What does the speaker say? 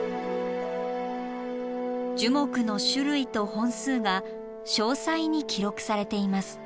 樹木の種類と本数が詳細に記録されています。